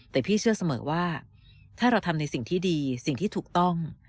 แต่พี่เชื่อเสมอว่าถ้าเราทำในสิ่งที่ดีสิ่งที่ถูกต้อง